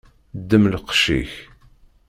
Ddem lqec-ik.